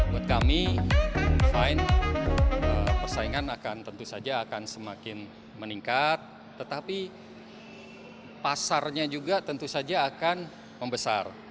buat kami fine persaingan akan tentu saja akan semakin meningkat tetapi pasarnya juga tentu saja akan membesar